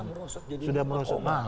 india sekarang sudah merosot